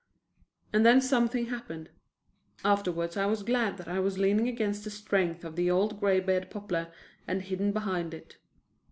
And then something happened. Afterwards I was glad that I was leaning against the strength of the old graybeard poplar and hidden behind it.